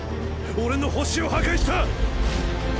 俺の星を破壊した！